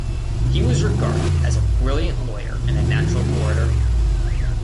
He was regarded as a brilliant lawyer and a natural orator.